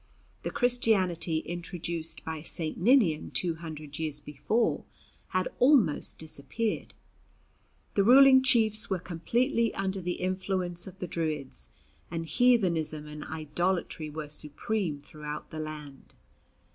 The Christianity introduced by St. Ninian two hundred years before had almost disappeared. The ruling chiefs were completely under the influence of the Druids, and heathenism and idolatry were supreme throughout the land.